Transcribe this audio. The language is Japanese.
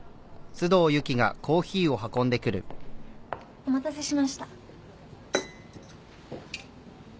お待たせしました。